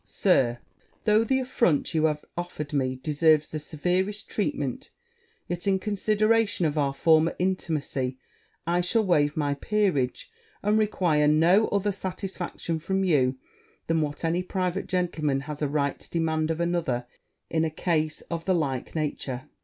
Sir, Though the affront you have offered me deserves the severest treatment, yet, in consideration of our former intimacy, I shall wave my peerage, and require no other satisfaction from you than what any private gentleman has a right to demand of another, in a case of the like nature.